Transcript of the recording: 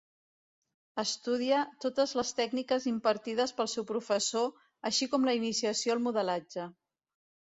Estudia totes les tècniques impartides pel seu professor, així com la iniciació al modelatge.